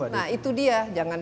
nah itu dia jangan